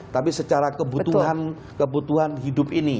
tapi secara kebutuhan hidup ini